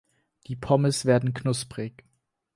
Die Pommes werden knusprig.